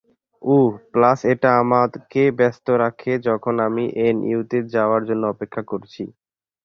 উহ, plus এটা আমাকে ব্যস্ত রাখে যখন আমি এনইউ-তে যাওয়ার জন্য অপেক্ষা করছি।